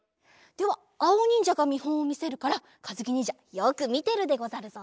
ではあおにんじゃがみほんをみせるからかずきにんじゃよくみてるでござるぞ！